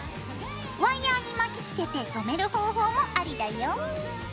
ワイヤーに巻きつけてとめる方法もありだよ。